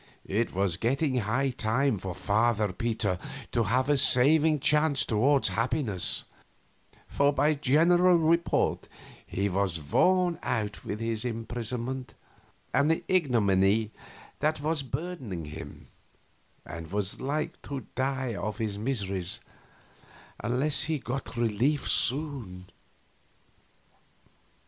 It was getting high time for Father Peter to have a saving change toward happiness, for by general report he was worn out with his imprisonment and the ignominy that was burdening him, and was like to die of his miseries unless he got relief soon.